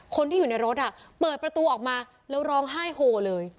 คนที่อยู่ในรถเปิดประตูออกมาแล้วร้องไห้โหเลย